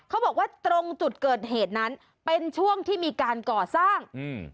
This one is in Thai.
เขาบอกว่าตรงจุดเกิดเหตุนั้นเป็นช่วงที่มีการก่อสร้างอืม